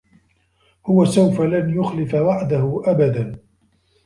هو سوف لن يخلف وعده أبدا.